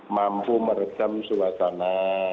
mampu merejam suasana